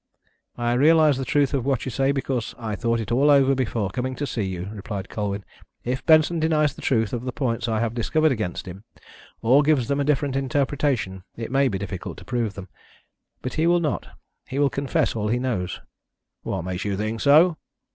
"I realise the truth of what you say because I thought it all over before coming to see you," replied Colwyn. "If Benson denies the truth of the points I have discovered against him, or gives them a different interpretation, it may be difficult to prove them. But he will not he will confess all he knows." "What makes you think so?"